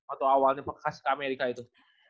atau awalnya kekasih ke amerika itu